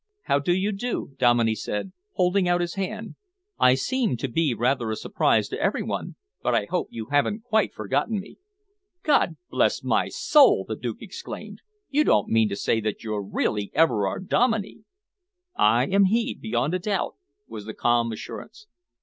"How do you do?" Dominey said, holding out his hand. "I seem to be rather a surprise to every one, but I hope you haven't quite forgotten me." "God bless my soul!" the Duke exclaimed. "You don't mean to say that you're really Everard Dominey?" "I am he, beyond a doubt," was the calm assurance.